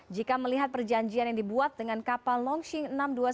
jika melihat perjanjian yang dibuat dengan kapal launching enam ratus dua puluh satu